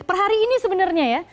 perhari ini sebenarnya ya